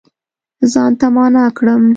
ځان ته معنا کړم